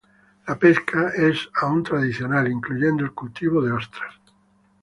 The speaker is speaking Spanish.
La pesca es aún tradicional, incluyendo el cultivo de ostras.